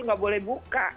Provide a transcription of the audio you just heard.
tidak boleh buka